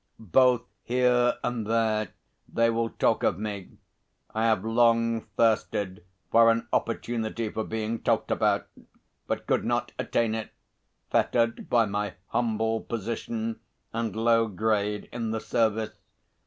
Both here and there they will talk of me. I have long thirsted for an opportunity for being talked about, but could not attain it, fettered by my humble position and low grade in the service.